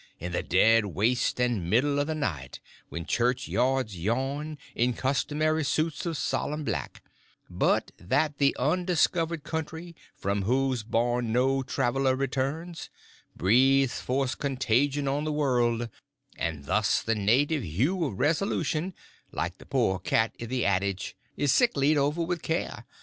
In the dead waste and middle of the night, when churchyards yawn In customary suits of solemn black, But that the undiscovered country from whose bourne no traveler returns, Breathes forth contagion on the world, And thus the native hue of resolution, like the poor cat i' the adage, Is sicklied o'er with care.